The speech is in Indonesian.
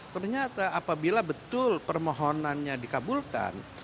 ternyata apabila betul permohonannya dikabulkan